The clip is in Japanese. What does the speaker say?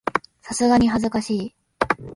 さすがに恥ずかしい